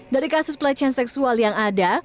dari kasus pelecehan seksual yang ada